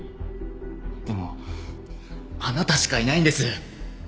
でもあなたしかいないんです。